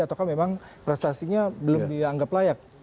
ataukah memang prestasinya belum dianggap layak